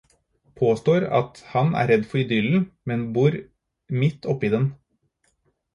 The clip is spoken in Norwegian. Påstår at han er redd for idyllen, men bor midt oppe i den.